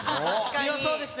強そうですね。